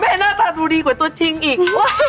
หน้าตาดูดีกว่าตัวจริงอีก